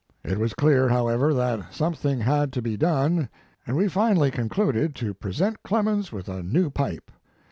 It was clear, however, that something had to be done, and we finally concluded to present Clemens with a new pipe.